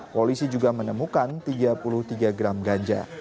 polisi juga menemukan tiga puluh tiga gram ganja